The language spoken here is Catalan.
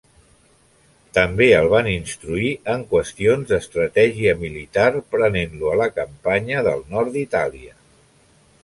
També el va instruir en qüestions d'estratègia militar prenent-lo a la campanya del nord d'Itàlia.